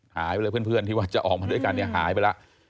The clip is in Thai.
หายไปเลยเพื่อนที่ว่าจะออกมาด้วยกันเนี่ยหายไปแล้ว